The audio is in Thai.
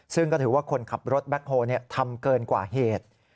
ซึ่งก็ถือว่าคนขับรถแบ็คโฮลทำเกินกว่าเหตุ